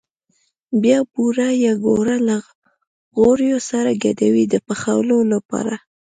بیا بوره یا ګوړه له غوړیو سره ګډوي د پخولو لپاره.